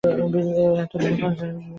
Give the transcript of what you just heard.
এতকাল পরে অন্তত এইটুকু দাবি করতে পারি।